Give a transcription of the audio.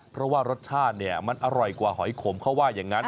เพราะว่ารสชาติเนี่ยมันอร่อยกว่าหอยขมเขาว่าอย่างนั้น